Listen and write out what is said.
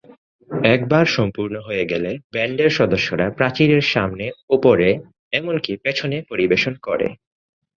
একবার সম্পূর্ণ হয়ে গেলে, ব্যান্ডের সদস্যরা প্রাচীরের সামনে, উপরে, এমনকি পেছনে পরিবেশন করে।